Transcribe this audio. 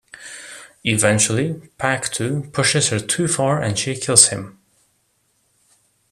Eventually, Pak-to pushes her too far and she kills him.